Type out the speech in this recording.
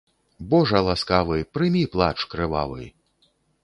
Божа ласкавы, прымі плач крывавы.